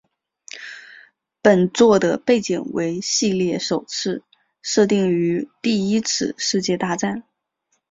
本作的背景为系列首次设定于第一次世界大战。